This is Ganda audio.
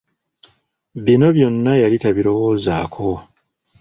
Bino byonna yali tabirowoozako.